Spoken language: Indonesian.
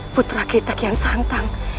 putra kita kian santang